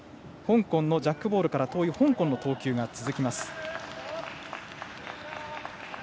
ジャックボールから遠い香港の投球が続きます。